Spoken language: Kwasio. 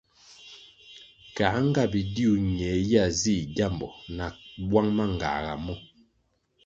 Kā nga bidiu ñie ya zih gyambo na bwang mangāga mo?